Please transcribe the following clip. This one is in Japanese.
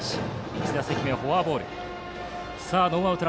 １打席目はフォアボール。